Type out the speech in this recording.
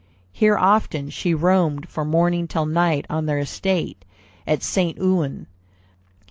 Here often she roamed from morning till night on their estate at St. Ouen.